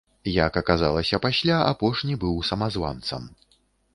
Як аказалася пасля, апошні быў самазванцам.